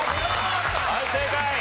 はい正解。